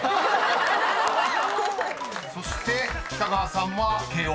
［そして北川さんは慶應。